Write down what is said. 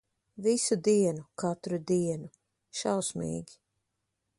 Visu dienu, katru dienu. Šausmīgi.